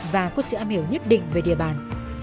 và có sự am hiểu nhất định về địa bàn